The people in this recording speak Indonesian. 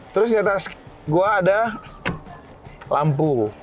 terus di atas gua ada lampu